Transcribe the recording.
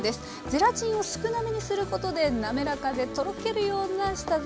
ゼラチンを少なめにすることで滑らかでとろけるような舌触りに仕上げました。